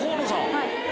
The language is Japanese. はい。